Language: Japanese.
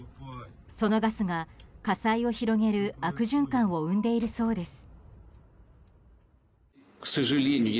そのガスが火災を広げる悪循環を生んでいるそうです。